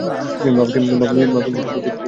বাবাকে দেখতে তো দারুণ লাগছে!